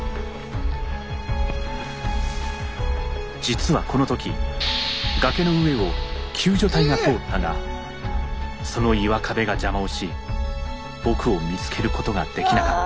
実はこの時崖の上を救助隊が通ったがその岩壁が邪魔をし僕を見つけることができなかった。